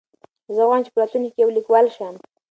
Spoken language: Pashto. زه غواړم چې په راتلونکي کې یو لیکوال شم.